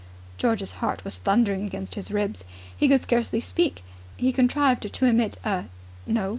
George's heart was thundering against his ribs. He could scarcely speak. He contrived to emit a No.